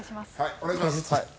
お願いします。